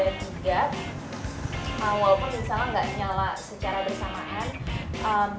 walaupun misalnya nggak nyala secara bersamaan